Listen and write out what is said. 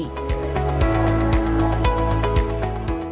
kementerian perencanaan pembangunan nasional badan perencanaan pembangunan nasional